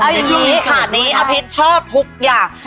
อันนี้ขาดนี้อภิษชอบทุกอย่าง